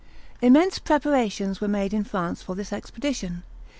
Immense preparations were made in France for this expedition.